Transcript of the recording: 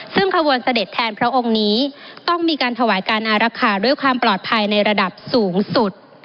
ซึ่งขบวนเสด็จแทนพระองค์นี้ต้องมีการถวายการอารักษาด้วยความปลอดภัยในระดับสูงสุด